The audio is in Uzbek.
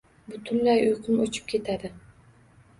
Butunlay uyqum o‘chib ketadi.